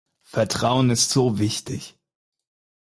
Vertrauen ist so wichtig!